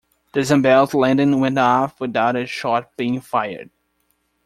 The Zambales landing went off without a shot being fired.